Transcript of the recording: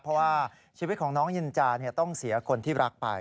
เพราะว่าชีวิตของน้องนินจาต้องเสียคนที่รักไป